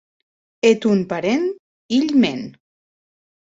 Eth tòn parent, hilh mèn.